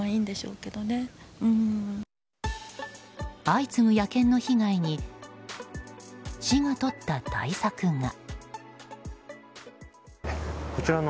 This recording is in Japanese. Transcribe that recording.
相次ぐ野犬の被害に市がとった対策が。